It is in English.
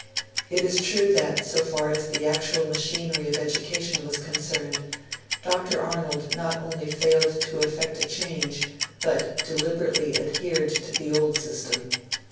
It is true that, so far as the actual machinery of education was concerned, Dr. Arnold not only failed to effect a change, but deliberately adhered to the old system.